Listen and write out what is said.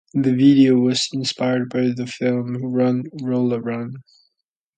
The video was inspired by the film, "Run Lola Run".